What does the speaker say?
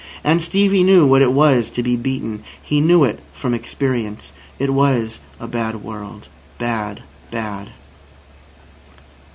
And Stevie knew what it was to be beaten. He knew it from experience. It was a bad world. Bad! Bad!